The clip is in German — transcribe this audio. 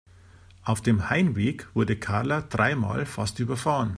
Auf dem Heimweg wurde Karla dreimal fast überfahren.